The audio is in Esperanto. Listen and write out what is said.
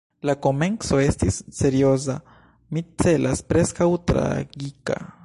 La komenco estis serioza, mi celas – preskaŭ tragika.